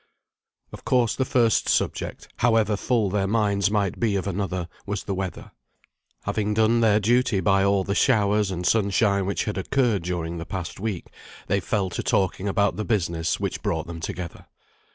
Of course, the first subject, however full their minds might be of another, was the weather. Having done their duty by all the showers and sunshine which had occurred during the past week, they fell to talking about the business which brought them together.